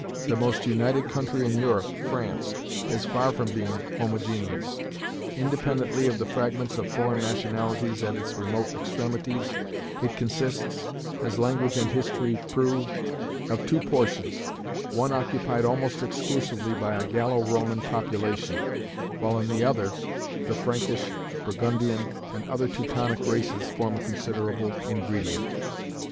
The most united country in Europe, France, is far from being homogeneous: independently of the fragments of foreign nationalities at its remote extremities, it consists, as language and history prove, of two portions, one occupied almost exclusively by a Gallo Roman population, while in the other the Frankish, Burgundian, and other Teutonic races form a considerable ingredient.